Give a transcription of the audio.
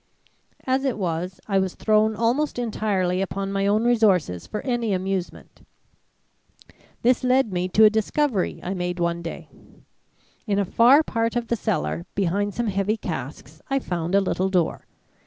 "As it was, I was thrown almost entirely upon my own resources for any amusement. This led me to a discovery I made one day. In a far part of the cellar behind some heavy casks, I found a little door.